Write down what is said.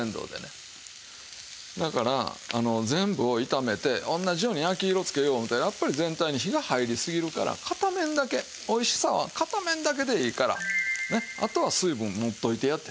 だから全部を炒めて同じように焼き色つけよう思うたらやっぱり全体に火が入りすぎるから片面だけおいしさは片面だけでいいからあとは水分持っといてやって。